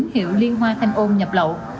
hiệu liên hoa thanh ôn nhập lậu